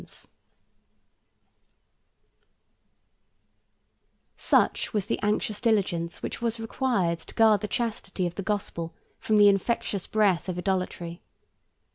] Such was the anxious diligence which was required to guard the chastity of the gospel from the infectious breath of idolatry.